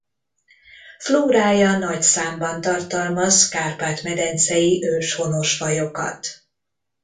Flórája nagy számban tartalmaz Kárpát-medencei őshonos fajokat.